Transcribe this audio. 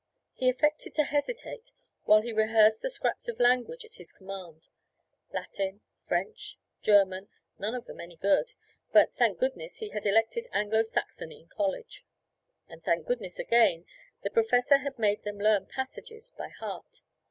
He affected to hesitate while he rehearsed the scraps of language at his command. Latin French German none of them any good but, thank goodness, he had elected Anglo Saxon in college; and thank goodness again the professor had made them learn passages by heart.